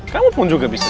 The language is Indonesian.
kamu pun juga bisa